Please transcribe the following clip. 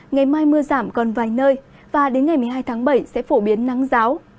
ngày mai mưa giảm còn vài nơi và đến ngày một mươi hai tháng bảy sẽ phổ biến nắng giáo